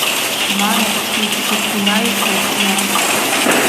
mana sustukunayku tiyan